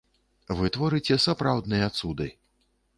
Вы творыце сапраўдныя цуды.